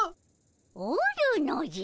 おるのじゃ。